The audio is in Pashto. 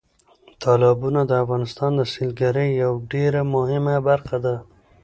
تالابونه د افغانستان د سیلګرۍ یوه ډېره مهمه برخه ده.